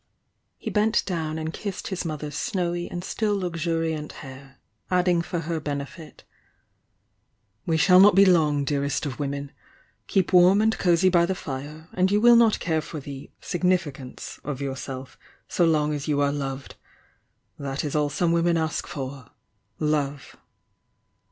He bent down and kissed his mother's snowy and still luxuriant hair, adding for her benefit: "We shall not be long, dearest of women! Keep warm and cosy by the fire, and you will not care for the 'significance' of yourself so long as you are loved! That is all some women ask for, — love."